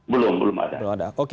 belum belum ada